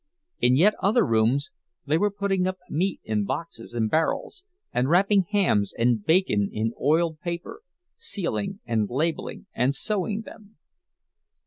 In yet other rooms they were putting up meats in boxes and barrels, and wrapping hams and bacon in oiled paper, sealing and labeling and sewing them.